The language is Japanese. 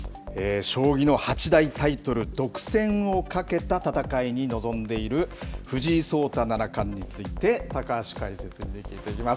将棋の八大タイトル独占をかけた戦いに臨んでいる、藤井聡太七冠について高橋解説委員に聞いていきます。